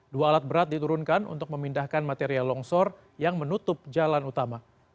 dua alat berat diturunkan untuk memindahkan material longsor yang menutup jalan utama